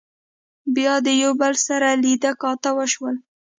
بيا د يو بل سره لیدۀ کاتۀ وشول